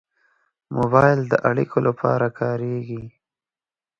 موبایل د اړیکو لپاره کارېږي.